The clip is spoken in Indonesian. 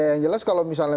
ya yang jelas kalau misalnya